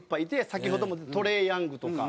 先ほどもトレイ・ヤングとか。